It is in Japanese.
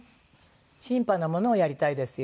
新派のものをやりたいですよ